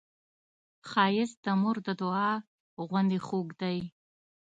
ښایست د مور د دعا غوندې خوږ دی